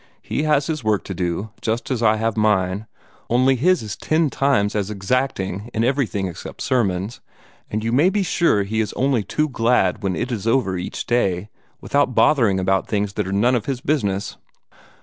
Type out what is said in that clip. He has his work to do, just as I have mine only his is ten times as exacting in everything except sermons and you may be sure he is only too glad when it is over each day, without bothering about things that are none of his business."